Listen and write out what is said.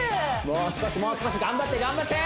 もう少しもう少し頑張って頑張って！